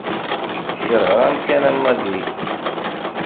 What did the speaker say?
Keṛheɣ amkan am wagi.